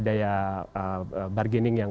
daya bargaining yang